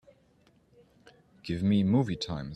Give me movie times